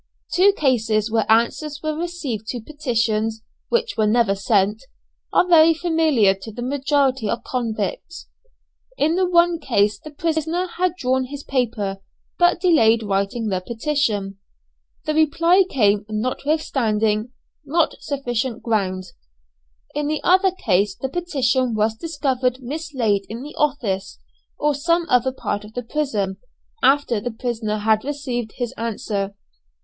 Two cases where answers were received to petitions which were never sent, are very familiar to the majority of convicts. In the one case the prisoner had drawn his paper, but delayed writing the petition. The reply came notwithstanding, "Not sufficient grounds." In the other case the petition was discovered mislaid in the office, or some other part of the prison, after the prisoner had received his answer.